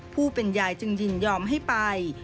ผู้เป็นยายจึงยินยอมให้ไป